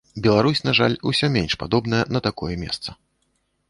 Беларусь, на жаль, усё менш падобная на такое месца.